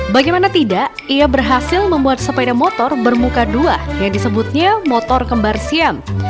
bagaimana tidak ia berhasil membuat sepeda motor bermuka dua yang disebutnya motor kembar siam